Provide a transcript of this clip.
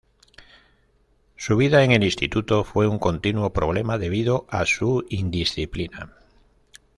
Su vida en el instituto fue un continuo problema debido a su indisciplina.